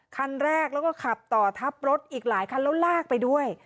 คันแรกแล้วก็ขับต่อทับรถอีกหลายคันแล้วลากไปด้วย